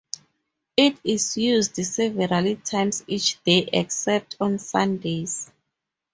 It is used several times each day except on Sundays.